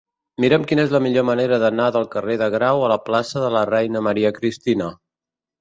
Mira'm quina és la millor manera d'anar del carrer de Grau a la plaça de la Reina Maria Cristina.